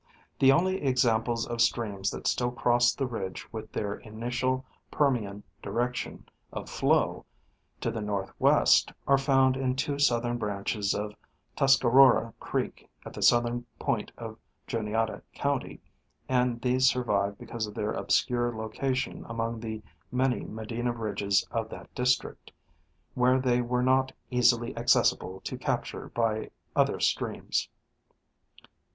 The only examples of streams that still cross this ridge with their initial Permian direction of flow to the northwest are found in two southern branches of Tuscarora creek at the southern point of Juniata county ; and these survive because of their obscure location among the many Medina ridges of that district, where they were not easily acces sible to capture by other streams, 38.